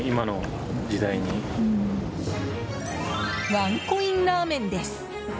ワンコインラーメンです。